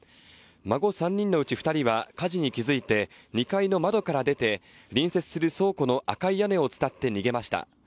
孫３人のうち２人は火事に気づいて、２階の窓から出て、隣接する倉庫の赤い屋根をつたって逃げました。